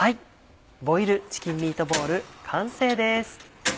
ボイルチキンミートボール完成です。